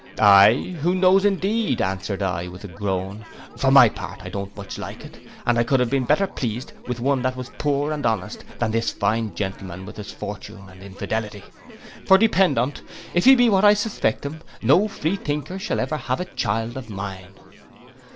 'Ay, who knows that indeed,' answered I, with a groan: 'for my part I don't much like it; and I could have been better pleased with one that was poor and honest, than this fine gentleman with his fortune and infidelity; for depend on't, if he be what I suspect him, no free thinker shall ever have a child of mine.